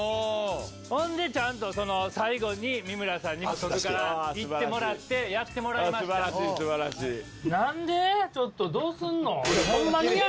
ほんでちゃんと最後に三村さんに特辛いってもらってやってもらいました素晴らしい素晴らしいちょっとどうすんの？